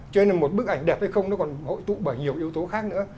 cho nên là một bức ảnh đẹp hay không nó còn hội tụ bởi nhiều yếu tố khác nữa